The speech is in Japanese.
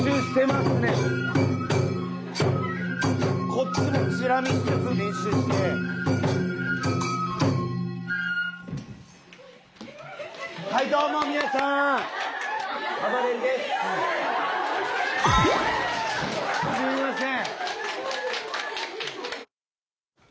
すいません。